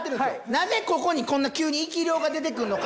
なぜここにこんな急に生霊が出てくんのか。